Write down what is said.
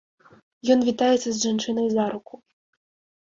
Ён вітаецца з жанчынай за руку.